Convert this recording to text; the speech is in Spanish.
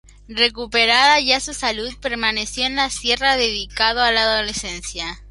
Recuperada ya su salud, permaneció en la sierra dedicado a la docencia.